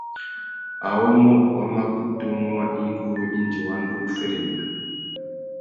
Awômô wa mà kutu muá ingurú indi wa ndú wu féréména.